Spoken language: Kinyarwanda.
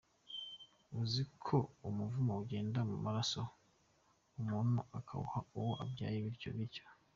Uzi ko umuvumo ugenda mu maraso, umuntu akawuha uwo abyaye, bityo bityo.